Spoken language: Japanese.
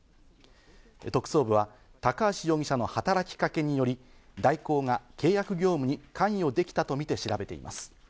特捜部は高橋容疑者の働きかけにより、大広が契約業務に関与できたとみて調べています。